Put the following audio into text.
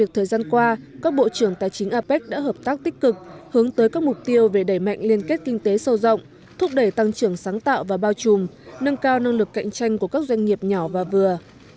thời gian qua các bộ trưởng tài chính apec đã hợp tác tích cực hướng tới các mục tiêu về đẩy mạnh liên kết kinh tế sâu rộng thúc đẩy tăng trưởng sáng tạo và bao trùm nâng cao năng lực cạnh tranh của các doanh nghiệp nhỏ và vừa